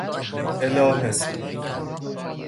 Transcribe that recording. اِلهه